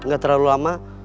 gak terlalu lama